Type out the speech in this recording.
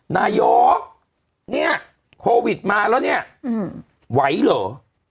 นายกเนี่ยโควิดมาแล้วเนี่ยไหวเหรอ